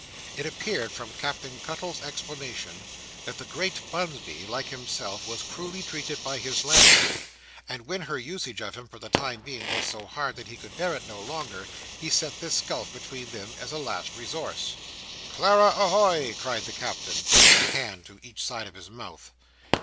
It appeared, from Captain Cuttle's explanation, that the great Bunsby, like himself, was cruelly treated by his landlady, and that when her usage of him for the time being was so hard that he could bear it no longer, he set this gulf between them as a last resource. "Clara a hoy!" cried the Captain, putting a hand to each side of his mouth.